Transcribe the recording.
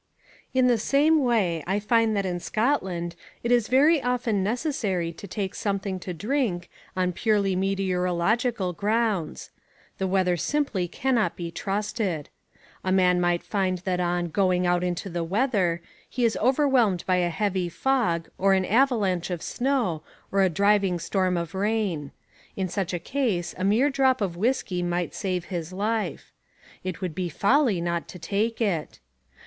In the same way I find that in Scotland it is very often necessary to take something to drink on purely meteorological grounds. The weather simply cannot be trusted. A man might find that on "going out into the weather" he is overwhelmed by a heavy fog or an avalanche of snow or a driving storm of rain. In such a case a mere drop of whiskey might save his life. It would be folly not to take it.